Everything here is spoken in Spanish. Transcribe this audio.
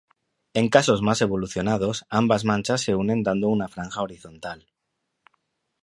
En casos más evolucionados, ambas manchas se unen dando una franja horizontal.